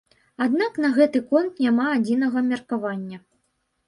Аднак на гэты конт няма адзінага меркавання.